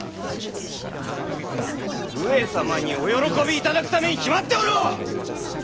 上様にお喜びいただくために決まっておろう！